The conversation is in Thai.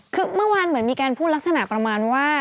คือเมื่อวานเหมือนมีการพูดลักษณะประมาณว่า